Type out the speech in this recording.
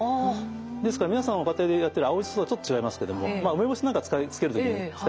ですから皆さんご家庭でやってる青ジソとはちょっと違いますけども梅干しなんか漬ける時に使います